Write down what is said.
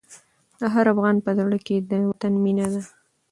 د هر افغان په زړه کې د وطن مینه ده.